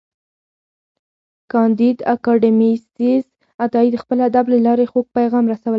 کانديد اکاډميسن عطایي د خپل ادب له لارې خوږ پیغام رسولی دی.